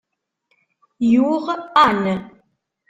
Yuɣ Ann.